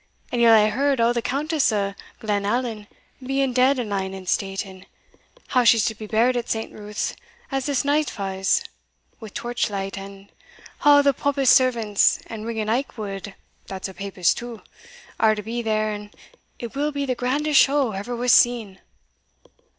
And yell hae heard o' the Countess o' Glenallan being dead and lying in state, and how she's to be buried at St. Ruth's as this night fa's, wi' torch light; and a' the popist servants, and Ringan Aikwood, that's a papist too, are to be there, and it will be the grandest show ever was seen."